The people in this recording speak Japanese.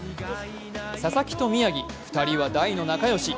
佐々木と宮城、２人は大の仲良し。